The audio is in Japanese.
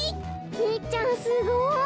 みっちゃんすごい！